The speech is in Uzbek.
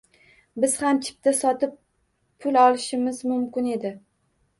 Biz ham chipta sotib pul olishimiz mumkin edi.